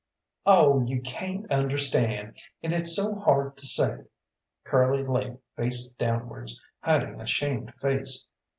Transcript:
"Oh, you cayn't understand, and it's so hard to say." Curly lay face downwards, hiding a shamed face.